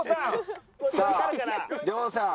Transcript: さあ亮さん